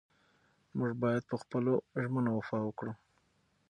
موږ باید په خپلو ژمنو وفا وکړو.